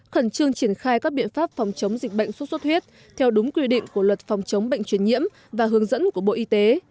khẩn trương triển khai các biện pháp phòng chống dịch bệnh xuất xuất huyết theo đúng quy định của luật phòng chống bệnh truyền nhiễm và hướng dẫn của bộ y tế